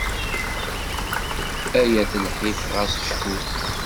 Ay at lḥif xas cfut.